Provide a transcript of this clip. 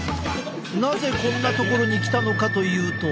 なぜこんな所に来たのかというと。